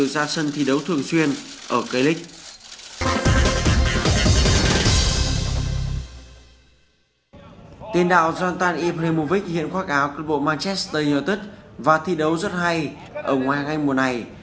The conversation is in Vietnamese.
jonathan ibrahimovic hiện khoác áo club manchester united và thi đấu rất hay ở ngoài ngay mùa này